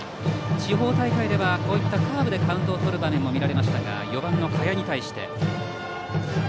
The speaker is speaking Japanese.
地方大会ではカーブでカウントをとる場面も見られましたが４番の賀谷に対して。